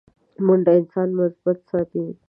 منډه انسان مثبت ساتي